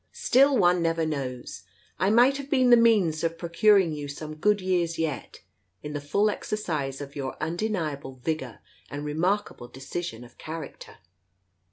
Still one never knows. I might have been Ihe means of procuring you some good years yet, in the full exercise of your undeniable vigour and remarkable decision of character.